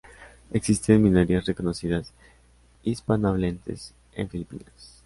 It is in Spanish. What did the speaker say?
Existen minorías reconocidas hispanohablantes en Filipinas.